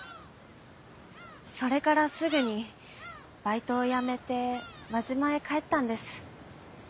それからすぐにバイトを辞めて輪島へ帰ったんです。